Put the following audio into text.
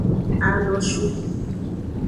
Anoshu.